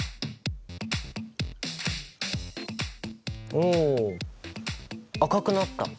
おお赤くなった。